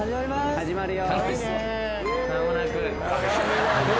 始まるよ。